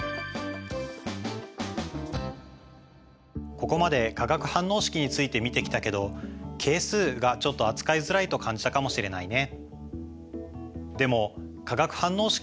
ここまで化学反応式について見てきたけど係数がちょっと扱いづらいと感じたかもしれないね。